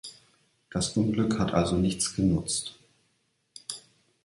Das Unglück hat also nichts genutzt.